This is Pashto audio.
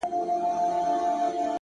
وخت د هر چا لپاره برابر شتمن دی!.